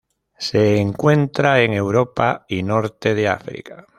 Se encuentra en Europa y Norte de África.